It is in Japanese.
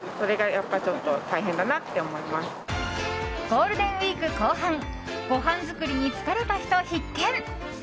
ゴールデンウィーク後半ごはん作りに疲れた人必見！